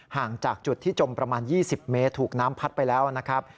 ห่างจากจุดที่จมประมาณ๒๐เมตรถูกน้ำพัดไปแล้วนะครับ